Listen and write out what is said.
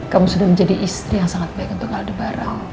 kamu sudah menjadi istri yang sangat baik untuk pak aldebaran